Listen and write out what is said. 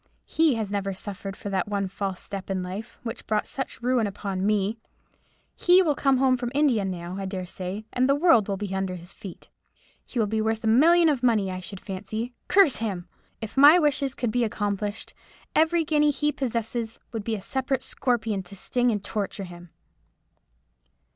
He has never suffered for that one false step in life, which brought such ruin upon me. He will come home from India now, I dare say, and the world will be under his feet. He will be worth a million of money, I should fancy; curse him! If my wishes could be accomplished, every guinea he possesses would be a separate scorpion to sting and to torture him."